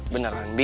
bener kan bi